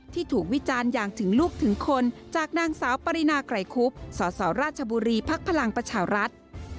ที่ถูกวิจารณ์อย่างถึงลูกถึงคนจากนางสาวปรินาไกรคุบสสราชบุรีภักดิ์พลังประชารัฐ